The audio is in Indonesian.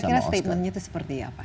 saya kira statementnya itu seperti apa